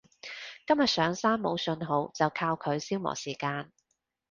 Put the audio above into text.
今日上山冇訊號就靠佢消磨時間